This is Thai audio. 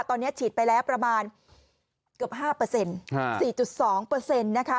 ตอนนี้ฉีดไปแล้วประมาณเกือบ๕๔๒นะคะ